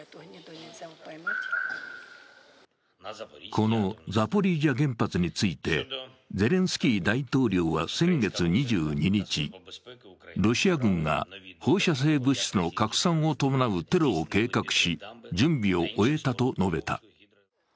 このザポリージャ原発についてゼレンスキー大統領は先月２２日、ロシア軍が放射性物質の拡散を伴うテロを計画し、準備を終えたと述べた。